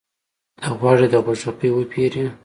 ته غواړې د غوږيکې وپېرې؟